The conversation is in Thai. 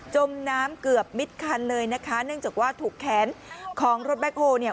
จมน้ำเกือบมิดคันเลยนะคะเนื่องจากว่าถูกแขนของรถแบ็คโฮลเนี่ย